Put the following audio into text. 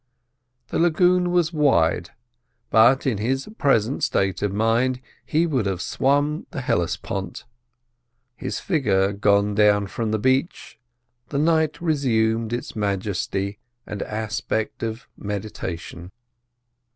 The lagoon was wide, but in his present state of mind he would have swum the Hellespont. His figure gone from the beach, the night resumed its majesty and aspect of meditation.